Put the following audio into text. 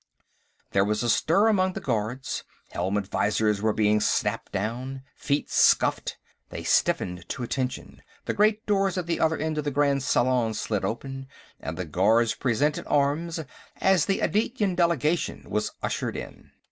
There was a stir among the guards; helmet visors were being snapped down; feet scuffed. They stiffened to attention, the great doors at the other end of the grand salon slid open, and the guards presented arms as the Adityan delegation was ushered in.